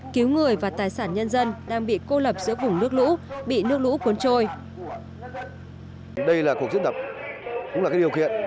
cứu người và tài sản nhân dân đang bị cô lập giữa vùng nước lũ bị nước lũ cuốn trôi